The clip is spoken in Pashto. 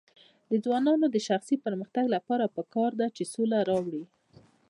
د ځوانانو د شخصي پرمختګ لپاره پکار ده چې سوله راوړي.